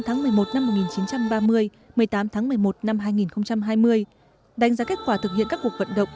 một mươi tháng một mươi một năm một nghìn chín trăm ba mươi một mươi tám tháng một mươi một năm hai nghìn hai mươi đánh giá kết quả thực hiện các cuộc vận động